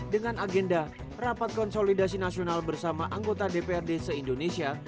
dengan agenda rapat konsolidasi nasional bersama anggota dprd se indonesia